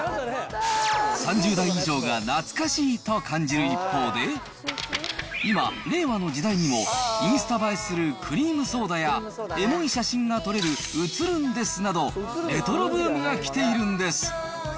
３０代以上は懐かしいと感じる一方で、今、令和の時代にも、インスタ映えするクリームソーダや、エモい写真が撮れる写ルンですなど、レトロブームがきているんです。